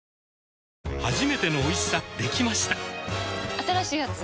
新しいやつ？